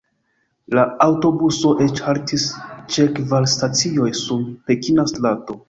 La aŭtobuso eĉ haltis ĉe kvar stacioj sur pekina strato.